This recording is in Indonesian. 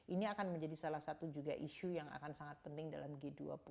ini akan menjadi salah satu juga isu yang akan sangat penting dalam g dua puluh